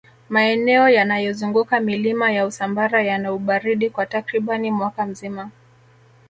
maeneo yanayozunguka milima ya usambara yana ubaridi kwa takribani mwaka mzima